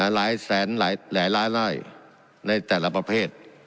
หลายแสนหลายล้านประเปศ